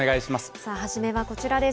さあ初めはこちらです。